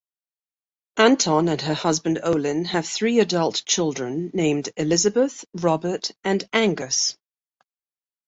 Anton and her husband Olin have three adult children named Elizabeth, Robert and Angus.